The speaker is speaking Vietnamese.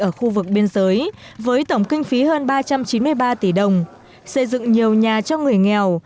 ở khu vực biên giới với tổng kinh phí hơn ba trăm chín mươi ba tỷ đồng xây dựng nhiều nhà cho người nghèo